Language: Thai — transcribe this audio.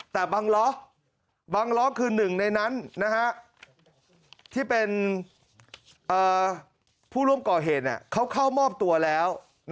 แต่บางล้อคือ๑ในนั้นที่เป็นผู้ร่วมก่อเหตุเข้าเข้ามอบตัวแล้ว